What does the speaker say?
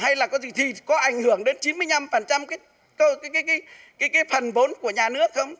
hay là có gì thì có ảnh hưởng đến chín mươi năm cái phần vốn của nhà nước không